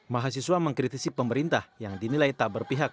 mahasiswa mengkritisi pemerintah yang dinilai tak berpihak